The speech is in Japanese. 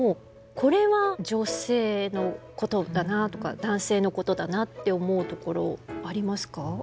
これは女性のことだなとか男性のことだなって思うところありますか？